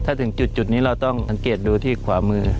ถ้าถึงจุดนี้เราต้องสังเกตดูที่ขวามือ